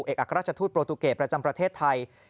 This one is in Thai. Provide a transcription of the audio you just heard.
เอกอักราชทูตโปรตูเกตประจำประเทศไทย